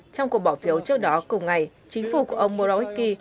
trong cuộc bỏ phiếu trước đó cùng ngày chính phủ của ông morawicky